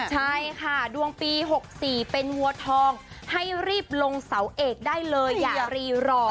ใช่ค่ะดวงปี๖๔เป็นวัวทองให้รีบลงเสาเอกได้เลยอย่ารีรอ